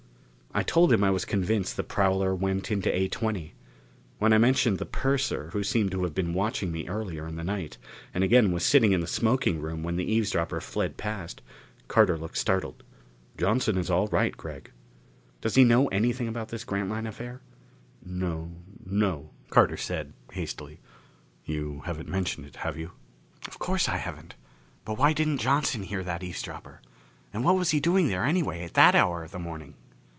I told him I was convinced the prowler went into A20. When I mentioned the purser, who seemed to have been watching me earlier in the night, and again was sitting in the smoking room when the eavesdropper fled past, Carter looked startled. "Johnson is all right, Gregg." "Does he know anything about this Grantline affair?" "No no," said Carter hastily. "You haven't mentioned it, have you?" "Of course I haven't. But why didn't Johnson hear that eavesdropper? And what was he doing there, anyway, at that hour of the morning?"